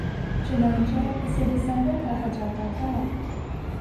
چنانچہ اسے دسمبر کہا جاتا تھا